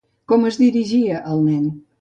Com es dirigia al nen?